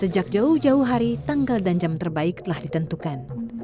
sejak jauh jauh hari tanggal dan jam terbaik telah ditentukan